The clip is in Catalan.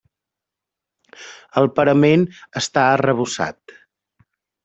El parament està arrebossat.